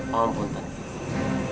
pangapunten gusti prabu